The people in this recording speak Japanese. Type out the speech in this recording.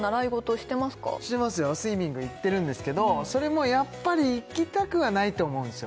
してますよスイミング行ってるんですけどそれもやっぱり行きたくはないと思うんですよ